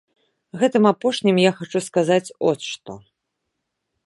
Гэтым апошнім я хачу сказаць от што.